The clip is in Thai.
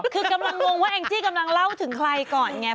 คือกำลังงงว่าแองจี้กำลังเล่าถึงใครก่อนไง